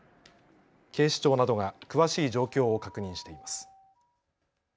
警視庁などが詳しい状況を確認しています。